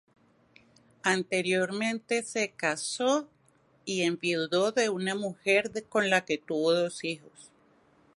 Anteriormente se casó y enviudó de una mujer con la que tuvo dos hijos.